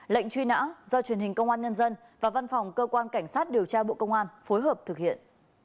lệnh truy nã do truyền hình công an nhân dân và văn phòng cơ quan cảnh sát điều tra bộ công an phối hợp thực hiện